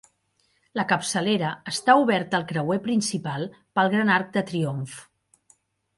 La capçalera està oberta al creuer principal pel gran arc de triomf.